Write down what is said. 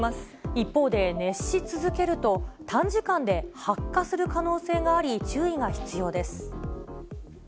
一方で、熱し続けると、短時間で発火する可能性があり注意が必要です。